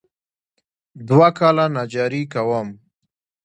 دوه کاله نجاري کوم.